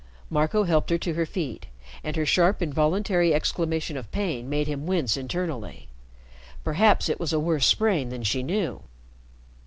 Marco helped her to her feet, and her sharp, involuntary exclamation of pain made him wince internally. Perhaps it was a worse sprain than she knew.